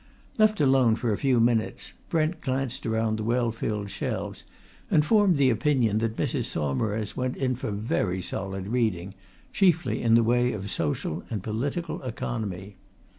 Left alone for a few minutes, Brent glanced round the well filled shelves, and formed the opinion that Mrs. Saumarez went in for very solid reading, chiefly in the way of social and political economy.